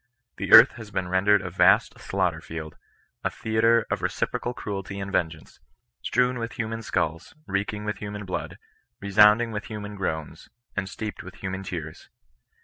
The earth has been rendered a vast slaughter field — a theatre of reci procal cruelty and vengeance — strewn with human skulls, reeking with human blood, resounding with hu man groans, and steeped with human tears.